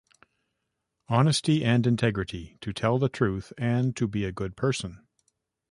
Honesty and Integrity: To tell the truth and be a good person.